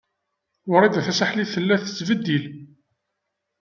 Wrida Tasaḥlit tella tettbeddil.